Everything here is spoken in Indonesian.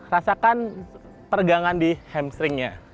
rasakan pergangan di hamstringnya